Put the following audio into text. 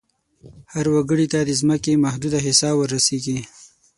هر وګړي ته د ځمکې محدوده حصه ور رسیږي.